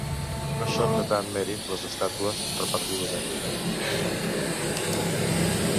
No són de tant mèrit les estàtues repartides en ell.